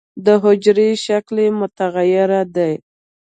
د حجرې شکل یې متغیر دی.